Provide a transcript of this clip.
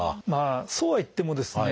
そうはいってもですね